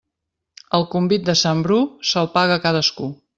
El convit de sant Bru se'l paga cadascú.